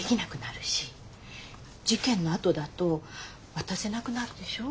事件のあとだと渡せなくなるでしょ。